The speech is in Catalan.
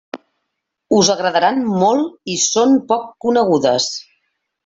Us agradaran molt i són poc conegudes.